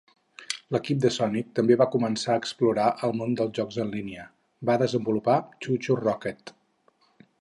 L'equip de Sonic també va començar a explorar el món dels jocs en línia; van desenvolupar ChuChu Rocket!